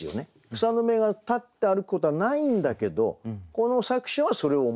草の芽が立って歩くことはないんだけどこの作者はそれを思ったということで。